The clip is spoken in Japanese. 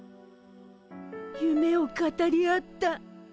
ゆめを語り合った。